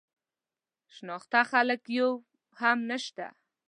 شناخته خلک یې یو هم نه شته.